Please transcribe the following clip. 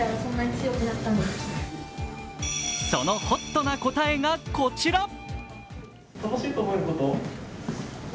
そのＨＯＴな答えがこちら。